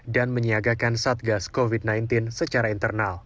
dan menyiagakan satgas covid sembilan belas secara internal